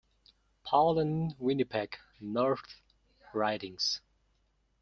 Paul and Winnipeg North ridings.